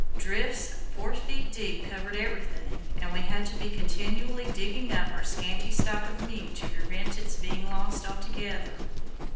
Drifts four feet deep covered everything, and we had to be continually digging up our scanty stock of meat to prevent its being lost altogether.